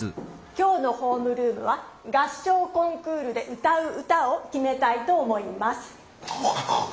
今日のホームルームは合唱コンクールでうたう歌をきめたいと思います。